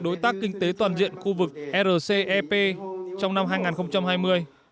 đối tác kinh tế toàn diện khu vực rcep trong năm hai nghìn hai mươi